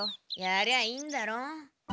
やりゃいいんだろ。